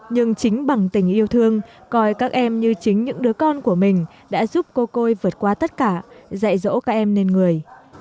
nhưng chính bằng tình yêu thương coi các em như chính những đứa con của mình đã giúp cô côi vượt qua tất cả dạy dỗ các em lên người